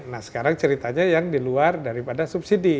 nah sekarang ceritanya yang diluar daripada subsidi